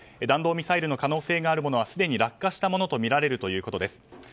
弾道ミサイルの可能性があるものはすでに落下したものとみられるということです。